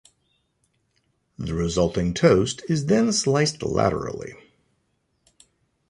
The resulting toast is then sliced laterally.